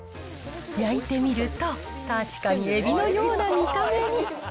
焼いてみると、確かにエビのような見た目に。